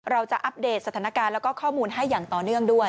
อัปเดตสถานการณ์แล้วก็ข้อมูลให้อย่างต่อเนื่องด้วย